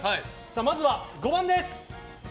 まずは５番です。